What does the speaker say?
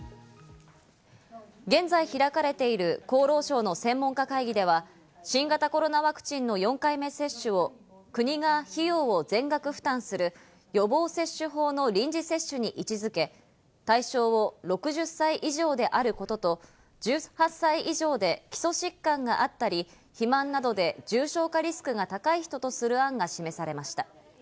現在開かれている厚労省の専門家会議では新型コロナワクチンの４回目接種を国が費用を全額負担する予防接種法の臨時接種に位置付け、対象を６０歳以上であることと１８歳以上で基礎疾患があったり、肥満などで重症化リスクが高い人とする案が示されました。